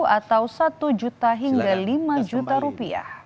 atau rp satu hingga rp lima